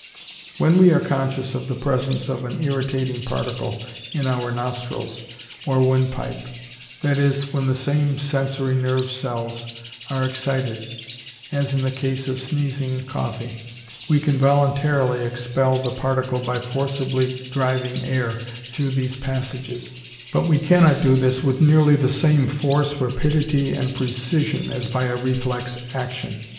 When we are conscious of the presence of an irritating particle in our nostrils or windpipe—that is, when the same sensory nerve cells are excited, as in the case of sneezing and coughing—we can voluntarily expel the particle by forcibly driving air through these passages; but we cannot do this with nearly the same force, rapidity, and precision, as by a reflex action.